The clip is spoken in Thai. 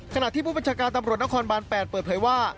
ขณะที่ผู้บัญชาการตำรวจนครบาน๘เปิดเผยว่า